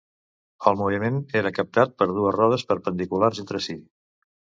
El moviment era captat per dues rodes perpendiculars entre si.